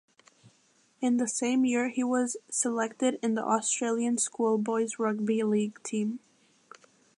In the same year he was selected in the Australian Schoolboys rugby league team.